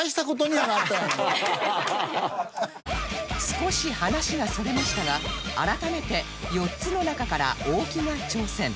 少し話がそれましたが改めて４つの中から大木が挑戦